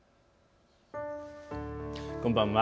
こんばんは。